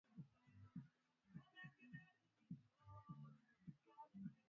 ndio maana tuliweza kualika hata wengine wa